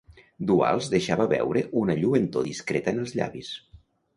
Duals deixava veure una lluentor discreta en els llavis.